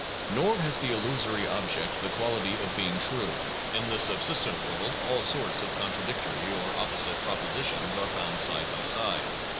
Nor has the illusory object the quality of being true. In the subsistent world all sorts of contradictory or opposite propositions are found side by side.